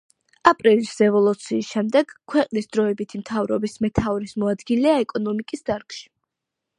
აპრილის რევოლუციის შემდეგ ქვეყნის დროებითი მთავრობის მეთაურის მოადგილეა ეკონომიკის დარგში.